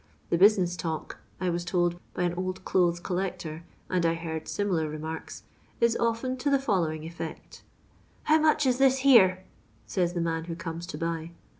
The business talk — I was told by an old clothes collector, and I heard aimilar remarks — ^is often to the fiallowing efiect :—" How much is this here 1 " says the man who comes to buy.